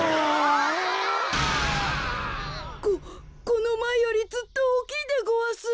ここのまえよりずっとおおきいでごわす。